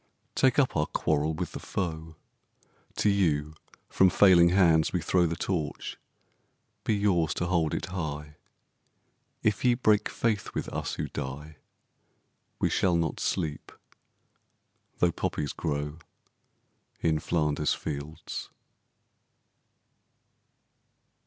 Take up our quarrel with the foe: To you from failing hands we throw The Torch: be yours to hold it high! If ye break faith with us who die We shall not sleep, though poppies grow In Flanders fields.